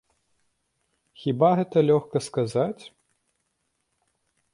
Хіба гэта лёгка сказаць?